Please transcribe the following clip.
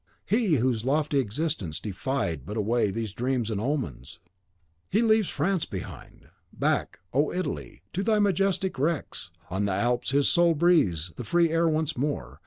he, whose lofty existence defied but away these dreams and omens! He leaves France behind. Back, O Italy, to thy majestic wrecks! On the Alps his soul breathes the free air once more.